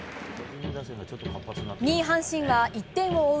２位、阪神は、１点を追う